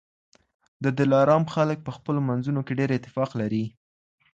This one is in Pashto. د دلارام خلک په خپلو منځونو کي ډېر اتفاق لري.